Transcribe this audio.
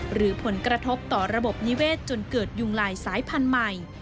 หรือผลกระทบต่อระบบนิเวศจนเกิดยุงลายสายพันธุ์ใหม่